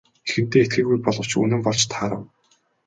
Эхэндээ итгээгүй боловч үнэн болж таарав.